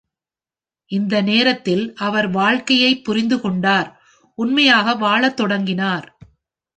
இந்த நேரத்தில் அவர் வாழ்க்கையைப் புரிந்துகொண்டார், உண்மையாக வாழத் தொடங்கினார்.